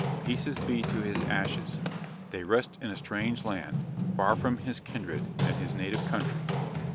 Peace be to his ashes! They rest in a strange land, far from his kindred and his native country.